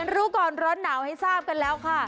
รู้ก่อนร้อนหนาวให้ทราบกันแล้วค่ะ